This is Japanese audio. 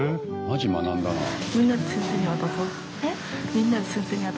マジ学んだなあ。